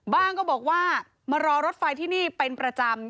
ก็บอกว่ามารอรถไฟที่นี่เป็นประจำ